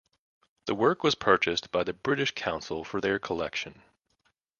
The work was purchased by the British Council for their collection.